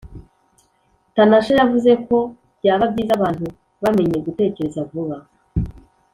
tanasha yavuze ko byaba byiza abantu bamenye gutekereza vuba